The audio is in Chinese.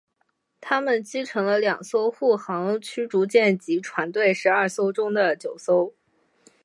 它们击沉了两艘护航驱逐舰以及船队十二艘中的九艘。